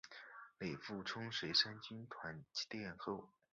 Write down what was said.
李富春随三军团殿后。